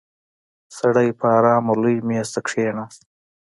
سړی په آرامه لوی مېز ته کېناست.